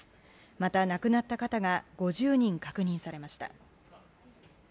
また、亡くなった方が５０人確認されました。